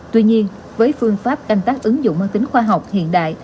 tuy nhiên với phương pháp canh tác ứng dụng mang tính khoa học hiện đại